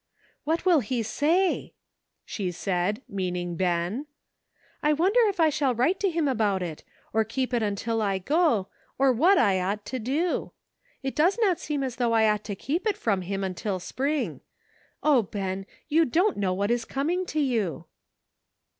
"What will he say?" she said, meaning Ben. "I wonder if I shall write to him about it, or keep it until I go, or what I ought to do ? It does not seem as though I ought to keep it from him until 'spring. O, Ben! you don't know what is coming to you."